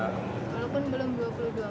walaupun belum dua puluh dua mei ya pak